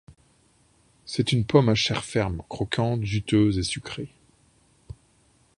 C'est une pomme à chair ferme, croquante, juteuse et sucrée.